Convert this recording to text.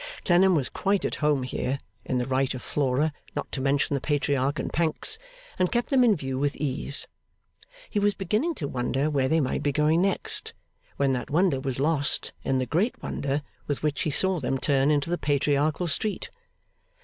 Clennam was quite at home here, in right of Flora, not to mention the Patriarch and Pancks, and kept them in view with ease. He was beginning to wonder where they might be going next, when that wonder was lost in the greater wonder with which he saw them turn into the Patriarchal street.